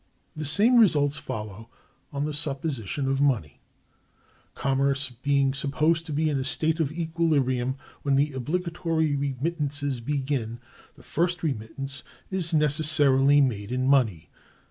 The same results follow on the supposition of money. Commerce being supposed to be in a state of equilibrium when the obligatory remittances begin, the first remittance is necessarily made in money.